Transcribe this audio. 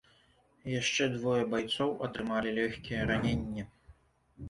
Яшчэ двое байцоў атрымалі лёгкія раненні.